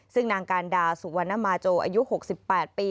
ซึ่งนางการดาสุวรรณมาโจอายุ๖๘ปี